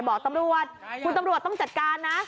บอกตำรวจคุณตำรวจต้องจัดการนะ